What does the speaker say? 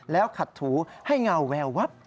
แล้วขัดถูให้เงาแวววับ